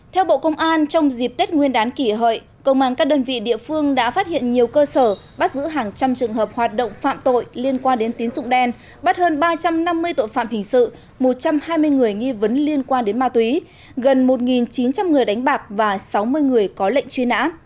theo bộ công an trong dịp tết nguyên đán kỷ hợi công an các đơn vị địa phương đã phát hiện nhiều cơ sở bắt giữ hàng trăm trường hợp hoạt động phạm tội liên quan đến tín dụng đen bắt hơn ba trăm năm mươi tội phạm hình sự một trăm hai mươi người nghi vấn liên quan đến ma túy gần một chín trăm linh người đánh bạc và sáu mươi người có lệnh truy nã